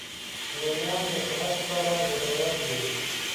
رومیان د صحت لپاره ګټور دي